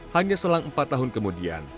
hanya selang empat tahun kemudian